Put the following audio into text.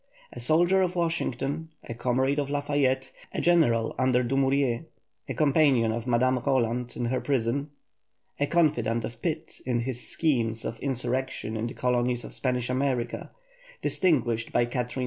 A soldier of Washington, a comrade of Lafayette, a general under Dumouriez, a companion of Madame Roland in her prison, a confidant of Pitt in his schemes of insurrection in the colonies of Spanish America, distinguished by Catharine II.